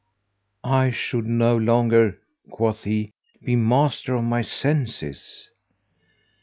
"I should no longer," quoth he, "be master of my senses."